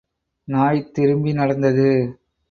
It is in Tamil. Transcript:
நாய் திரும்பி நடந்தது.